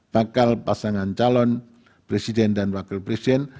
bakal pasangan calon presiden dan wakil presiden